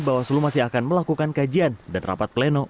bawah selu masih akan melakukan kajian dan rapat pleno